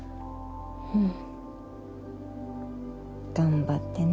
うん。頑張ってね。